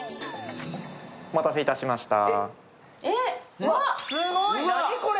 お待たせいたしました。